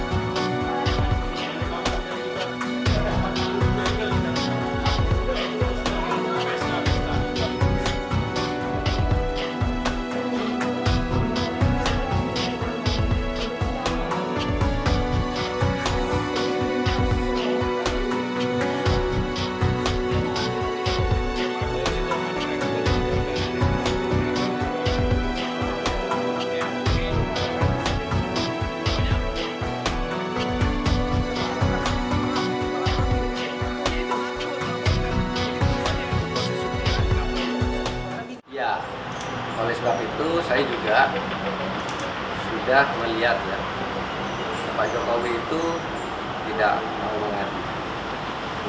ya oleh sebab itu saya juga sudah melihat ya pak jokowi itu tidak mau mengadu